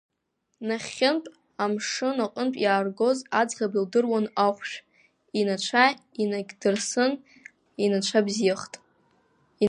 Нахьхьынтә, амшын аҟынтә иааргоз аӡӷаб илдыруан ахәшә, инацәа инакьдырсын, инацәа бзиахт.